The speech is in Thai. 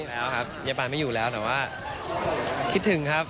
แล้วครับยายปานไม่อยู่แล้วแต่ว่าคิดถึงครับ